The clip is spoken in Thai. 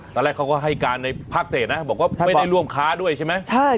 ตอนแรกเขาก็ให้การในภาคเศษนะบอกว่าไม่ได้ร่วมค้าด้วยใช่ไหม